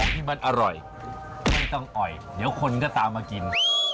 ที่มันอร่อยไม่ต้องอ่อยเดี๋ยวคนก็ตามมากิน